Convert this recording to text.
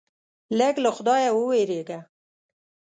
لږ له خدایه ووېرېږه.